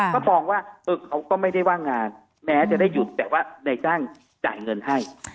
ก็มองว่าเขาก็ไม่ได้ว่างงานแม้จะได้หยุดแต่ว่านายจ้างจ่ายเงินให้